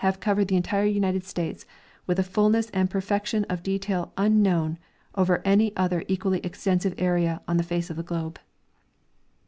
covered the entire United States with a fuUness and jjerfectiun of detail unknown over any other equally extensive area on the face of the globe.